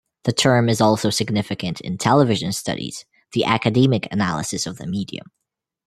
The term is also significant in television studies, the academic analysis of the medium.